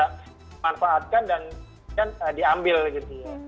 bisa dimanfaatkan dan diambil gitu ya